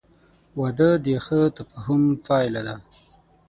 • واده د ښه تفاهم پایله ده.